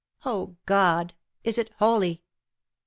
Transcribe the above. — Oh, God ! Is it holy?"